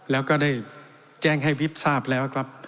แล้วก็ได้แจ้งให้วิบทราบแล้วครับ